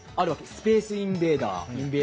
「スペースインベーダー」